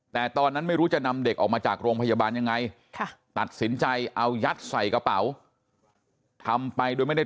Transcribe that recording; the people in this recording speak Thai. แต่ตอนนั้นไม่รู้จะนำเด็กออกมาจากโรงพยาบาลยังไงตัดสินใจเอายัดใส่กระเป๋าทำไปโดยไม่ได้